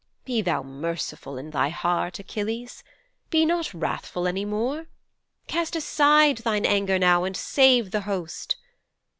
Be thou merciful in thy heart, Achilles. Be not wrathful any more. Cast aside thine anger now and save the host.